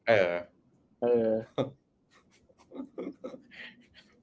เออ